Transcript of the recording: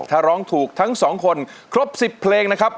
ถ้าร้องถูกทั้งสองคนครบ๑๐เพลงนะครับ